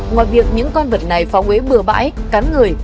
ngoài việc những con vật này phong ế bừa bãi cắn người